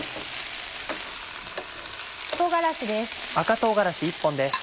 唐辛子です。